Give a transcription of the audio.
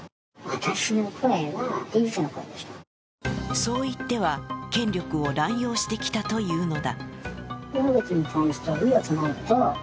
そう言っては権力を乱用してきたというのだ。